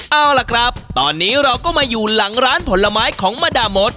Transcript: เอาล่ะครับตอนนี้เราก็มาอยู่หลังร้านผลไม้ของมาดามด